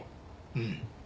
うん。